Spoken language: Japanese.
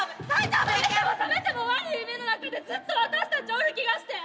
覚めても覚めても悪い夢の中でずっと私たちおる気がして。